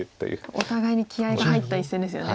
お互いに気合いが入った一戦ですよね。